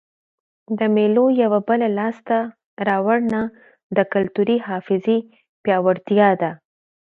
د مېلو یوه بله لاسته راوړنه د کلتوري حافظې پیاوړتیا ده.